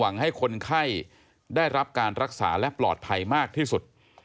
ให้คนไข้ได้รับการรักษาและปลอดภัยมากที่สุด